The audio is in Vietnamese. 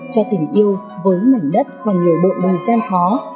cho tình yêu với mảnh đất và nhiều bộ đời gian khó